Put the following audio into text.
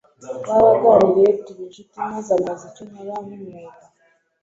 Twaraganiriye, tuba incuti maze ambaza icyo nkora nk’umwuga.